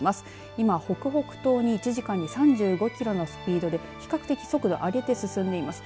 今、北北東に１時間で３５キロのスピードで比較的速度を上げて進んでいます。